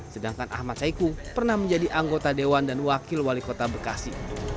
sedangkan ahmad saiku pernah menjadi anggota dewan dan wakil wali kota bekasi